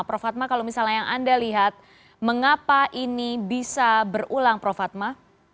prof fatma kalau misalnya yang anda lihat mengapa ini bisa berulang prof fatma